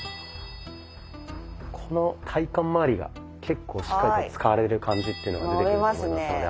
この体幹まわりが結構しっかりと使われる感じっていうのが出てくると思いますので。